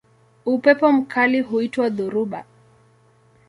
Upepo mkali huitwa dhoruba.